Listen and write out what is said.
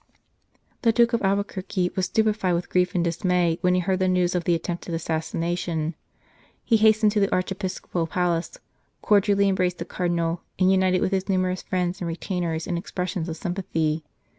The Duke d Albuquerque was stupefied with grief and dismay when he heard the news of the attempted assassination. He hastened to the archiepiscopal palace, cordially embraced the Cardinal, and united with his numerous friends and retainers in expressions of sympathy.